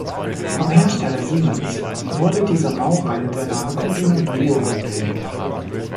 Vom Hersteller Siemens wurde dieser Baureihe der Name „Combino Duo“ gegeben.